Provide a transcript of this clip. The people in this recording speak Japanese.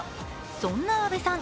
そんな阿部さん